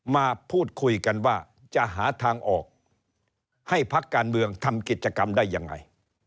มาพูดคุยกันว่าจะหาทางออกให้พักการเมืองทำกิจกรรมได้ยังไง